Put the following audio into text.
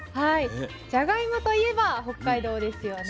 じゃがいもといえば北海道ですよね。